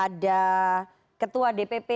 ada ketua dpp